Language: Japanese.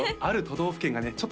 ある都道府県がね